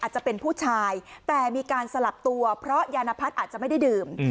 จะเป็นผู้ชายแต่มีการสลับตัวเพราะยานพัฒน์อาจจะไม่ได้ดื่ม